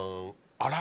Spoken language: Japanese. あら。